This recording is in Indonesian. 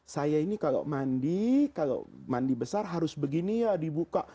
saya ini kalau mandi kalau mandi besar harus begini ya dibuka